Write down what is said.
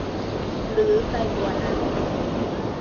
หรือไกลกว่านั้น